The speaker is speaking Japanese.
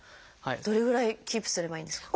どれぐらいキープすればいいんですか？